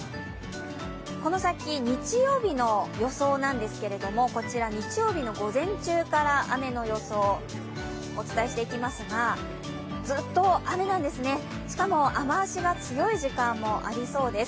この先、日曜日の予想なんですけれども、こちら、日曜日の午前中から雨の予想でずっと雨なんですね、しかも雨足が強い時間帯もありそうです。